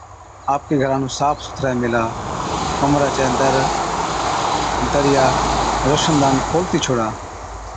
آپڪي گھرا نُون صاف سُٿرَي ميهلا، ڪمران چَي در، دريا روشندان کولتِي ڇوڙا